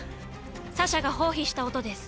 サシャが放屁した音です。